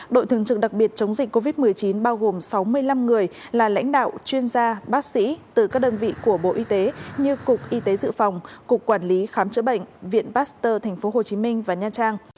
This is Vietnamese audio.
đội thường trực đặc biệt chống dịch covid một mươi chín bao gồm sáu mươi năm người là lãnh đạo chuyên gia bác sĩ từ các đơn vị của bộ y tế như cục y tế dự phòng cục quản lý khám chữa bệnh viện pasteur tp hcm và nha trang